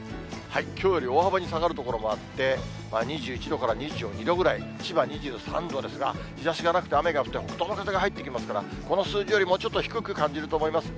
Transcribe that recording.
きょうより大幅に下がる所もあって、２１度から２２度ぐらい、千葉２３度ですが、日ざしがなくて、雨が降ると、北東の風が入ってきますから、この数字よりもうちょっと低く感じると思います。